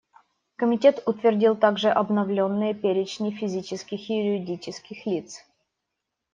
Комитет утвердил также обновленные перечни физических и юридических лиц.